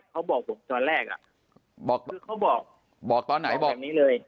เขาบอกผมตอนแรกอ่ะบอกเขาบอกตอนไหนบอกนี้เลย